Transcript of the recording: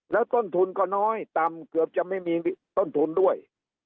แล้วต้นทุนก็น้อยต่ำเกือบจะไม่มีต้นทุนด้วย